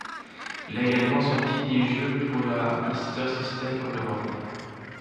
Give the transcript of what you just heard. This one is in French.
Il a également sorti des jeux pour la Master System en Europe.